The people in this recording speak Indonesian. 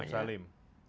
pak sae salim